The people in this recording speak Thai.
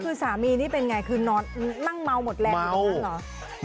คือสามีนี่เป็นไงคือนอนนั่งเมาหมดแรงอยู่ตรงนั้นเหรอ